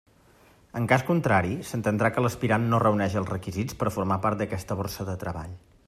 En cas contrari, s'entendrà que l'aspirant no reuneix els requisits per a formar part d'aquesta borsa de treball.